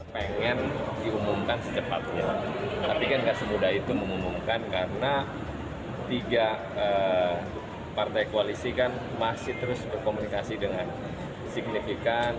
pengen diumumkan secepatnya tapi kan gak semudah itu mengumumkan karena tiga partai koalisi kan masih terus berkomunikasi dengan signifikan